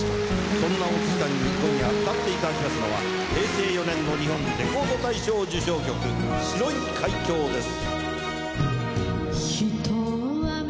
そんな大月さんに今夜歌っていただきますのは平成４年の『日本レコード大賞』受賞曲『白い海峡』です。